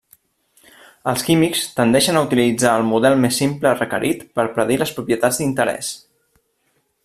Els químics tendeixen a utilitzar el model més simple requerit per predir les propietats d'interès.